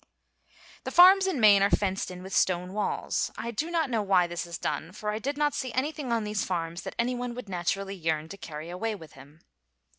The farms in Maine are fenced in with stone walls. I do not know way this is done, for I did not see anything on these farms that anyone would naturally yearn to carry away with him.